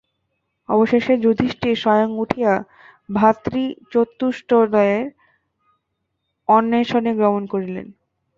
অবশেষে যুধিষ্ঠির স্বয়ং উঠিয়া ভাতৃচতুষ্টয়ের অন্বেষণে গমন করিলেন।